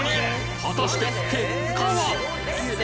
はたして結果は！？